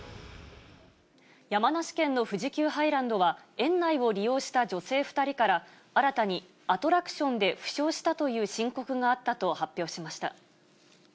山梨県の富士急ハイランドは、園内を利用した女性２人から、新たに、アトラクションで負傷したという申告があったと発表しました。